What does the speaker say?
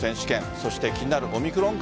そして気になるオミクロン株